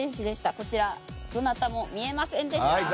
こちら、どなたもみえませんでした。